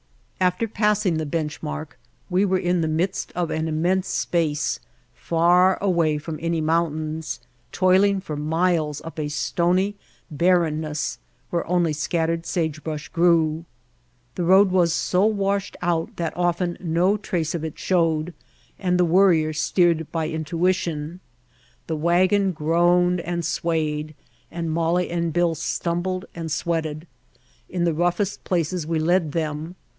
[t47] White Heart of Mojave After passing the bench mark we were in the midst of an immense space far away from any mountains, toiling for miles up a stony barren ness where only scattered sagebrush grew. The road was so washed out that often no trace of it showed and the Worrier steered by intuition. The wagon groaned and swayed, and Molly and Bill stumbled and sweated. In the roughest places we led them.